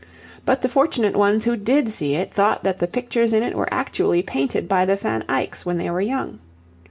But the fortunate ones who did see it thought that the pictures in it were actually painted by the Van Eycks when they were young.